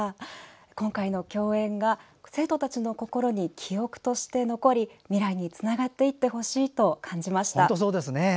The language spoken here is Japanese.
今回の協演が生徒たちの心に記憶として残り未来につながっていってほしいと感じました。